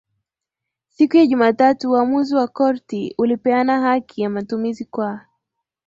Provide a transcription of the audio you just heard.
Siku ya Jumatatu uamuzi wa korti ulipeana haki ya matumizi kwa